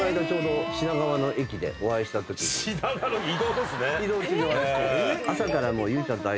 品川移動ですね。